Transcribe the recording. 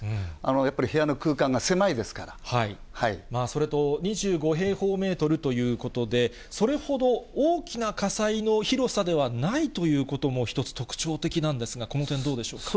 やっぱり部屋の空間が狭いですかそれと２５平方メートルということで、それほど大きな火災の広さではないということも、一つ、特徴的なんですが、この点、どうでしょうか。